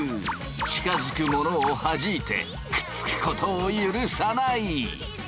近づくものをはじいてくっつくことを許さない！